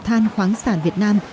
than khoáng sản việt nam